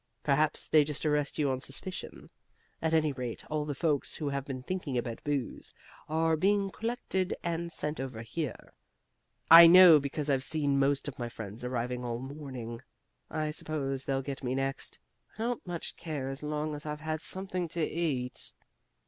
Perhaps they just arrest you on suspicion. At any rate all the folks who have been thinking about booze are being collected and sent over here. I know because I've seen most of my friends arriving all morning. I suppose they'll get me next. I don't much care as long as I've had something to eat."